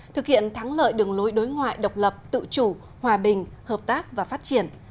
thực hiện thắng lợi đường lối đối ngoại độc lập tự chủ hòa bình hợp tác và phát triển